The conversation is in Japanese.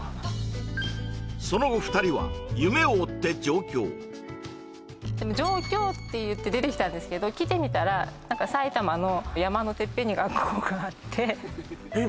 その後２人は夢を追って上京上京っていって出てきたんですけど来てみたら何か埼玉の山のてっぺんに学校があってえっ